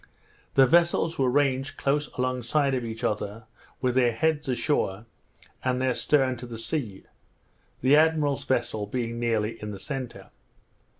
The vessels were ranged close along side of each other with their heads ashore, and their stern to the sea; the admiral's vessel being nearly in the centre.